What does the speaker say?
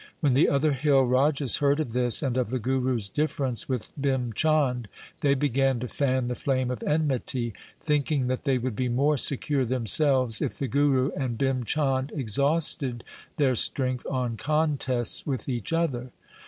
When the other hill rajas heard of this and of the Guru's difference with Bhim Chand, they began to fan the flame of enmity, thinking that they would be more secure themselves if the Guru and Bhim Chand exhausted their strength on contests with each other.